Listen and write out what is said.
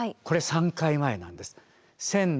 これ３回前なんです。